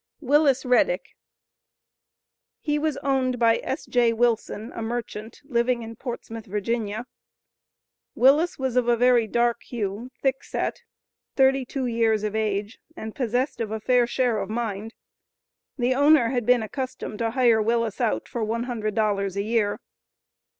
WILLIS REDICK. He was owned by S.J. Wilson, a merchant, living in Portsmouth, Va. Willis was of a very dark hue, thick set, thirty two years of age, and possessed of a fair share of mind. The owner had been accustomed to hire Willis out for "one hundred dollars a year."